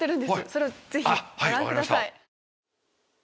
それをぜひご覧ください。